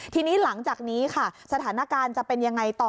ทีนี้หลังจากนี้ค่ะสถานการณ์จะเป็นยังไงต่อ